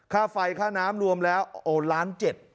ค่าไฟค่าน้ำรวมแล้ว๑๗ล้าน